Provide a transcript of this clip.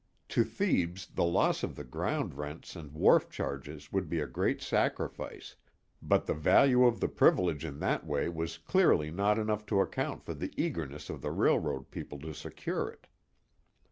To Thebes, the loss of the ground rents and wharf charges would be a great sacrifice, but the value of the privilege in that way was clearly not enough to account for the eagerness of the railroad people to secure it.